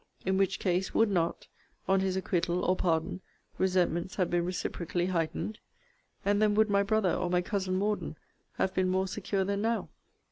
In which case, would not (on his acquittal, or pardon) resentments have been reciprocally heightened? And then would my brother, or my cousin Morden, have been more secure than now?